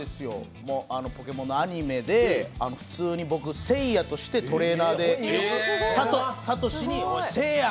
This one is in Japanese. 「ポケモン」のアニメで普通に僕せいやとしてトレーナーでサトシに「せいや！